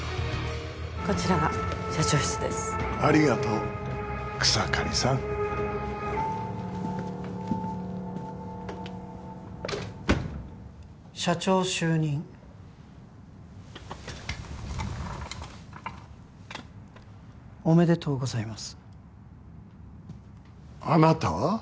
こちらが社長室ですありがとう草刈さん社長就任おめでとうございますあなたは？